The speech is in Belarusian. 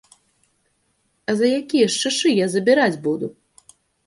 А за якія ж шышы я забіраць буду?!